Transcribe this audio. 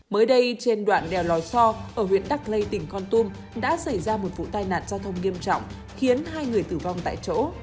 mới đây trên đoạn đèo lò so ở huyện đắc lây tỉnh con tum đã xảy ra một vụ tai nạn giao thông nghiêm trọng khiến hai người tử vong tại chỗ